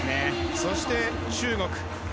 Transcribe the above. そして中国。